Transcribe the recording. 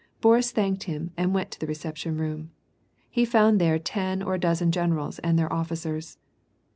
Boris thanked him and went to the reception room. He found there ten or a dozen generals and 6ther officers.